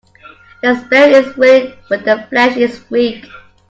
The spirit is willing but the flesh is weak.